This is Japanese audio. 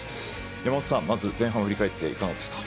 山本さん、まず前半を振り返って、いかがですか？